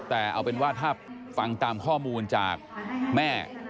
แต่เอาเป็นว่าถ้าฟังตามข้อมูลจากแม่